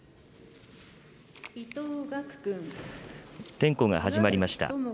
点呼が始まりました。